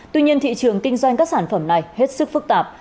tuy nhiên thị trường kinh doanh các sản phẩm này hết sức phức tạp